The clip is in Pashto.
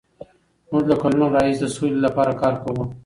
موږ له کلونو راهیسې د سولې لپاره کار کوو.